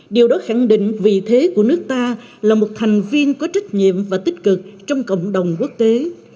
điều đó khẳng định vị thế của nước ta là một thành viên có trách nhiệm và tích cực trong cộng đồng quốc tế